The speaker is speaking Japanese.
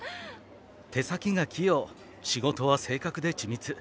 手先が器用仕事は正確で緻密。